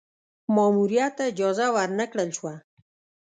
ماموریت ته اجازه ور نه کړل شوه.